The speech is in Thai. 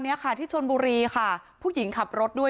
เนี้ยค่ะที่ชนบุรีค่ะผู้หญิงขับรถด้วย